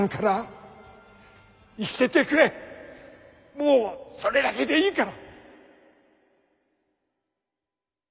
もうそれだけでいいから！